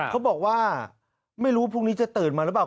เขาบอกว่าไม่รู้พรุ่งนี้จะตื่นมาหรือเปล่า